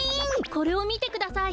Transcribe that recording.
これをみてください。